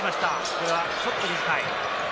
これはちょっと短い。